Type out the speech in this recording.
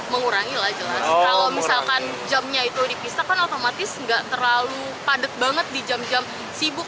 mengurangi lah jelas kalau misalkan jamnya itu dipisah kan otomatis nggak terlalu padat banget di jam jam sibuk